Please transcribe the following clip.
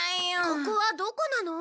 ここはどこなの？